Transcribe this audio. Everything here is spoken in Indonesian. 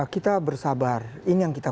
kita bersabar ini yang kita